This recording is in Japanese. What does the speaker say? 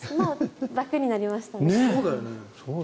楽になりましたね。